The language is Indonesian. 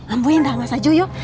ambo yang dalem aja yuk